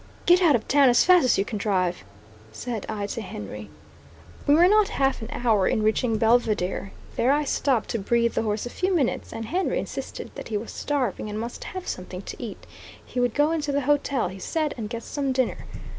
"Get out of town as fast as you can drive," said I to Henry. We were not half an hour in reaching Belvidere. There I stopped to breathe the horse a few minutes, and Henry insisted that he was starving, and must have something to eat; he would go into the hotel he said, and get some dinner.